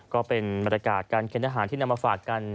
ก็เป็นบรรยากาศการเค้นอาหารที่นำมาฝากกัน